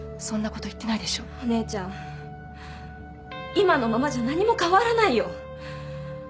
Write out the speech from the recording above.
今のままじゃ何も変わらないよ